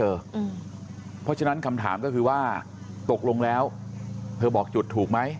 เพราะฉะนั้นคำถามก็คือว่าตกลงแล้วเธอบอกจุดถูกไหม